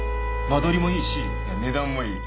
間取りもいいし値段もいい。